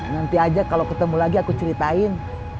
nanti aja kalau ketemu lagi aku ceritain